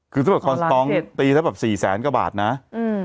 คือถ้าแบบตีถ้าแบบสี่แสนกว่าบาทน่ะอืม